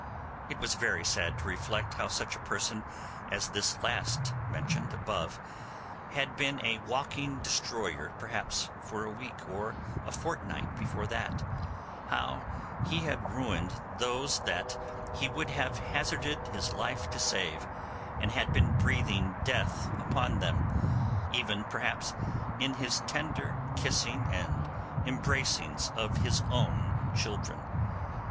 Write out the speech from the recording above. It was very sad to reflect how such a person as this last mentioned above had been a walking destroyer perhaps for a week or a fortnight before that; how he had ruined those that he would have hazarded his life to save, and had been breathing death upon them, even perhaps in his tender kissing and embracings of his own children.